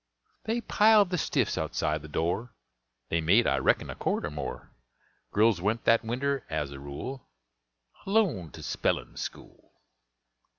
They piled the stiffs outside the door; They made, I reckon, a cord or more. Girls went that winter, as a rule, Alone to spellin' school.